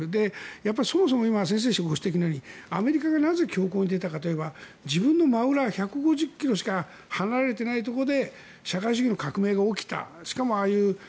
やっぱりそもそも先生もご指摘のようにアメリカがなぜ強行に出たかいえば自分の真裏、１５０ｋｍしか離れていないところで社会主義の革命が起きた。